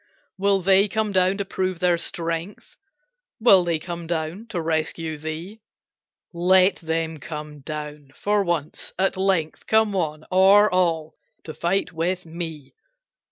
"Will they come down, to prove their strength? Will they come down, to rescue thee? Let them come down, for once, at length, Come one, or all, to fight with me.